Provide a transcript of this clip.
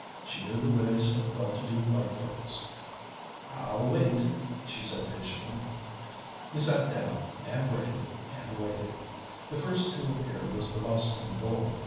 She knew the ways of well to do white folks. "I'll wait," she said patiently. We sat down, and waited and waited. The first to appear was the Boston bull.